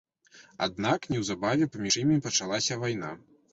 Аднак неўзабаве паміж імі пачалася вайна.